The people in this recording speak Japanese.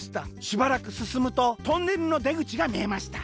しばらくすすむとトンネルのでぐちがみえました。